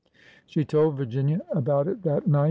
She told Virginia about it that night.